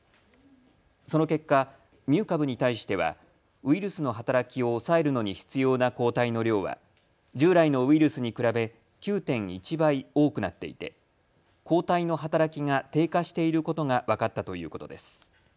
その結果、ミュー株に対してはウイルスの働きを抑えるのに必要な抗体の量は従来のウイルスに比べ９．１倍多くなっていて抗体の働きが低下していることが分かったということです。